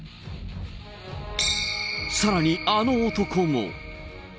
さらにあの男も。